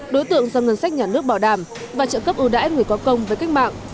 đối tượng do ngân sách nhà nước bảo đảm và trợ cấp ưu đãi người có công với cách mạng